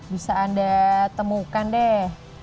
bisa anda temukan deh